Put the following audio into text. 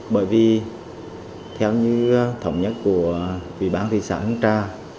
bởi vì theo như thống nhất của ủy ban thị xã hương trà